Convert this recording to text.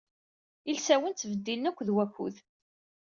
Ilsawen ttbeddilen akked wakud.